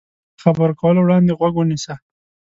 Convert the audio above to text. له خبرو کولو وړاندې غوږ ونیسه.